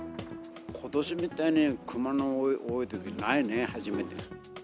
ことしみたいに熊の多いときないね、初めて。